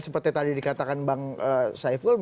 seperti tadi dikatakan bang saiful